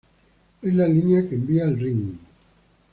Es la línea que envía el "ring".